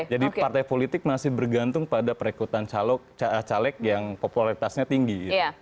jadi partai politik masih bergantung pada perekrutan caleg yang popularitasnya tinggi